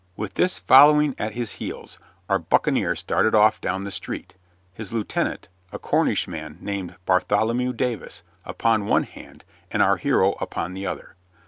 With this following at his heels, our buccaneer started off down the street, his lieutenant, a Cornishman named Bartholomew Davis, upon one hand and our hero upon the other.